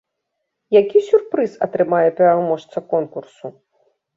Які сюрпрыз атрымае пераможца конкурсу?